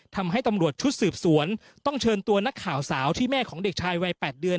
ทำให้ตำรวจชุดสืบสวนต้องเชิญตัวนักข่าวสาวที่แม่ของเด็กชายวัย๘เดือน